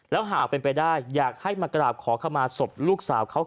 แล้วหากเป็นไปได้อยากให้มากราบขอขมาศพลูกสาวเขา